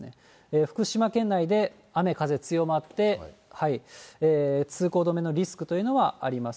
福島県内で、雨風強まって、通行止めのリスクというのはあります。